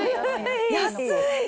安い！